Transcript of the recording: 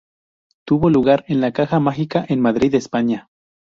Tuvo lugar en La Caja Mágica en Madrid, España.